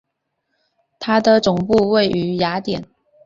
它的总部位于雅典。